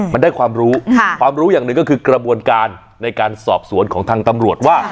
มันได้ความรู้ความรู้อย่างหนึ่งก็คือกระบวนการในการสอบสวนของทางตำรวจว่า